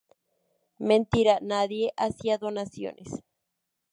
Mentira, nadie hacía donaciones.